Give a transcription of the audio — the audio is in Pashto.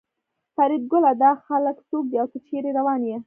فریدګله دا خلک څوک دي او ته چېرې روان یې